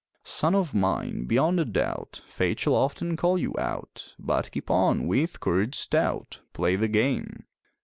Son of mine, beyond a doubt, Fate shall often call you "out," But keep on, with courage stout Play the game!